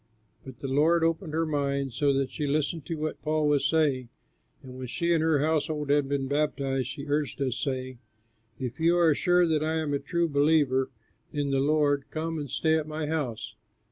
The Lord opened her mind, so that she listened to what Paul was saying; and when she and her household had been baptized, she urged us, saying, "If you are sure that I am a true believer in the Lord, come and stay at my house."